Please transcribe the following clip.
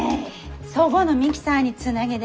そごのミキサーにつなげで。